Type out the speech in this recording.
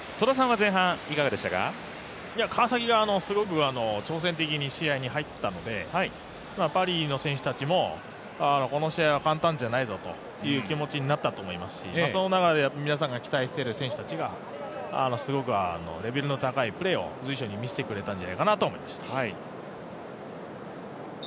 川崎がすごく挑戦的に試合に入ったのでパリの選手たちもこの試合は簡単じゃないぞという気持ちになったと思いますしその中で、皆さんが期待している選手たちが、すごくレベルの高いプレーを随所に見せてくれたんじゃないかなと思いました。